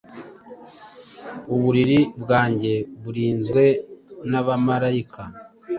uburiri bwanjye burinzwe nabamarayika,